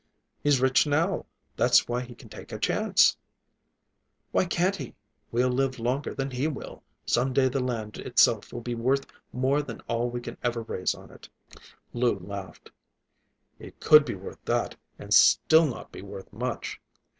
"He's rich now, that's why he can take a chance." "Why can't we? We'll live longer than he will. Some day the land itself will be worth more than all we can ever raise on it." Lou laughed. "It could be worth that, and still not be worth much.